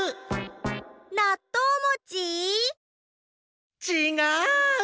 なっとうもち？ちがう！